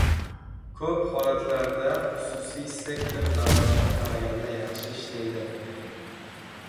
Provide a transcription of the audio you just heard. Ko‘p holatlarda xususiy sektor davlatga qaraganda yaxshi ishlaydi.